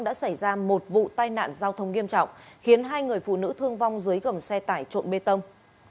đã xảy ra một vụ tai nạn giao thông nghiêm trọng khiến hai người phụ nữ thương vong dưới gầm xe tải trộn bê tông